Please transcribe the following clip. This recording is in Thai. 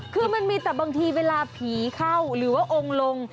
คือมันมีแต่บางทีเวลาผีเข้าหรือว่าองค์ลง